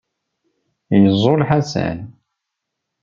Yeẓẓul Ḥasan.